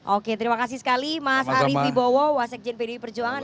oke terima kasih sekali mas arief bibowo wasek jendri perjuangan